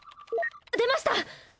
出ました！